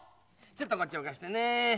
ちょっとこっちおかしてね。